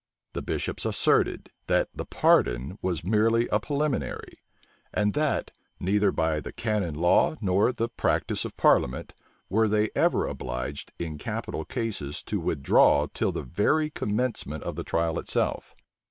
The bishops asserted, that the pardon was merely a preliminary; and that, neither by the canon law nor the practice of parliament, were they ever obliged, in capital cases, to withdraw till the very commencement of the trial itself.